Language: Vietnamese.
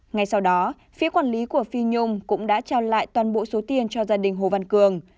ngay sau đó phía quản lý của phi nhung cũng đã trao lại toàn bộ số tiền cho gia đình hồ văn cường